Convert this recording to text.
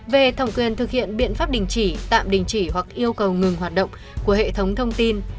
về thẩm quyền thực hiện biện pháp đình chỉ tạm đình chỉ hoặc yêu cầu ngừng hoạt động của hệ thống thông tin